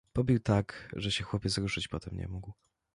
Pobił tak, że się chłopiec ruszyć potem nie mógł.